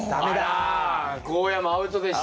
あらゴーヤーもアウトでした。